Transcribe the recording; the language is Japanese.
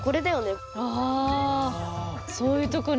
そういうとこに